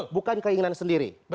bukan keinginan sendiri